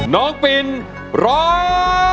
น้องปินร้อง